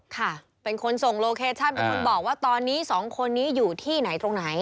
ค่ะเป็นคนส่งโลเคชั่นเป็นคนบอกว่าตอนนี้สองคนนี้อยู่ที่ไหนตรงไหน